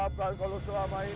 saya mau ambil air